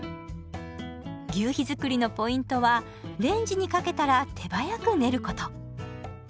求肥づくりのポイントはレンジにかけたら手早く練ること。